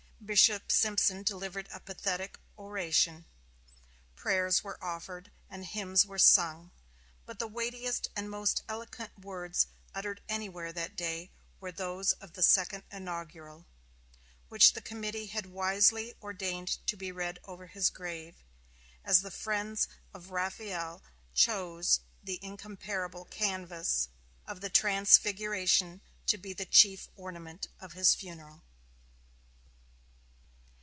Bishop Simpson delivered a pathetic oration; prayers were offered and hymns were sung; but the weightiest and most eloquent words uttered anywhere that day were those of the second inaugural, which the committee had wisely ordained to be read over his grave, as the friends of Raphael chose the incomparable canvas of the Transfiguration to be the chief ornament of his funeral.